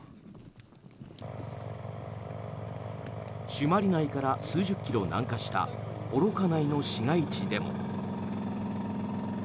朱鞠内から数十キロ南下した幌加内の市街地でも。